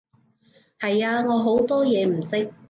係啊，我好多嘢唔識